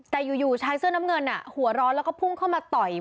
แต่อยู่ชายเสื้อน้ำเงินหัวร้อนแล้วก็พุ่งเข้ามาต่อย